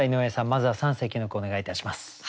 まずは三席の句お願いいたします。